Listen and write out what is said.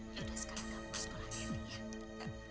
yaudah sekali kamu ke sekolah ya